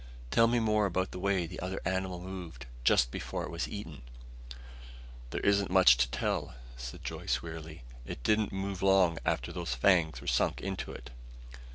"Tell me more about the way the other animal moved, just before it was eaten." "There isn't much to tell," said Joyce wearily. "It didn't move long after those fangs were sunk into it."